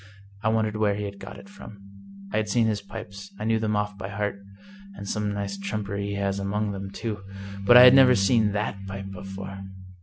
I wondered where he had got it from. I had seen his pipes; I knew them off by heart — and some nice trumpery he has among them, too! but I had never seen that pipe before.